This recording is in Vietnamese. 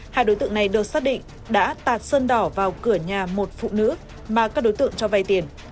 hai đối tượng này được xác định đã tạt sơn đỏ vào cửa nhà một phụ nữ mà các đối tượng cho vay tiền